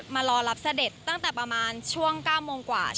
มารอรับเสด็จตั้งแต่ประมาณช่วง๙โมงกว่า